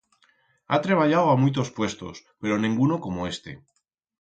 Ha treballau a muitos puestos, pero nenguno como este.